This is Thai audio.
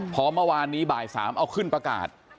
พอเมื่อวานนี้บ่าย๓เอาขึ้นประกาศ